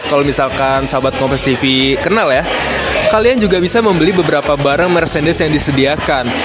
kalau misalkan sahabat kompes tv kenal ya kalian juga bisa membeli beberapa barang mercedes yang disediakan